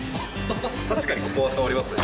確かにここは触りますね。